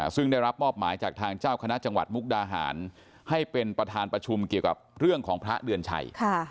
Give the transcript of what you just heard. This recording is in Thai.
ซึ่งได้รับมอบหมายจากทางเจ้าคณะจังหวัดมุกดาหารให้เป็นประธานประชุมเกี่ยวกับเรื่องของพระเดือนชัย